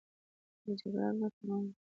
جګر ګټور دی.